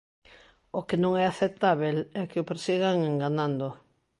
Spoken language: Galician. O que non é aceptábel é que o persigan enganando.